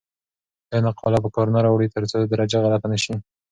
آیا نقاله په کار نه راوړئ ترڅو درجه غلطه نه سی؟